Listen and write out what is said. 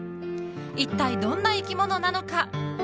いったい、どんな生き物なのか。